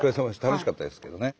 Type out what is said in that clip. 楽しかったですけどね。